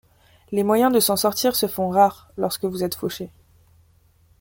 Les moyens de s'en sortir se font rares lorsque vous êtes fauché.